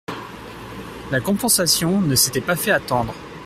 La compensation ne s'était pas fait attendre.